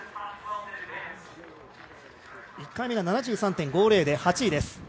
１回目が７３．５０で８位です。